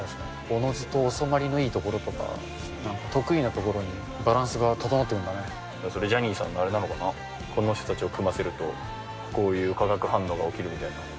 おのずと収まりのいいところとか、なんか得意なところにバランスがそれ、ジャニーさんのあれなのかな、この人たちを組ませると、こういう化学反応が起きるみたいな。